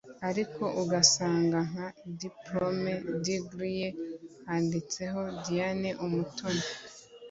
ariko ugasanga nka Diplome/Degree ye handitseho “Diane Umutoni”